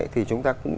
thì chúng ta cũng